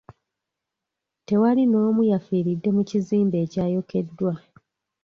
Tewali n'omu yafiiridde mu kizimbe ekyayokeddwa.